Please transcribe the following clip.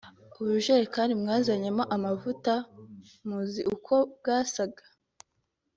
ubujerekani mwazanyemo amavuta muzi uko bwasaga